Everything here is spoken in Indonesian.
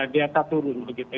data turun begitu